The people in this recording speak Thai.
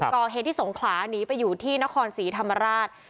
ก่อเหตุที่สงขลาหนีไปอยู่ที่นครศรีธรรมราช